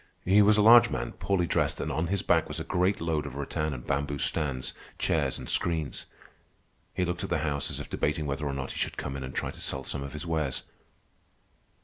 He was a large man, poorly dressed, and on his back was a great load of rattan and bamboo stands, chairs, and screens. He looked at the house as if debating whether or not he should come in and try to sell some of his wares.